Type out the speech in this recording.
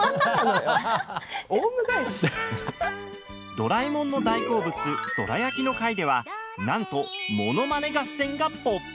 ドラえもんの大好物どら焼きの回ではなんと、ものまね合戦が勃発。